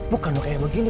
bukan lo kayak begini